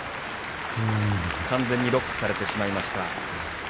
完全にロックされてしまいました。